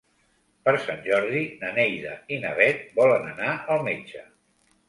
Per Sant Jordi na Neida i na Bet volen anar al metge.